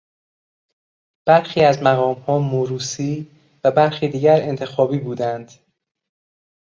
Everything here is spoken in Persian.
برخی از مقامها موروثی و برخی دیگر انتخابی بودند.